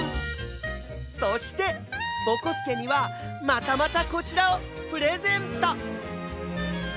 そしてぼこすけにはまたまたこちらをプレゼント！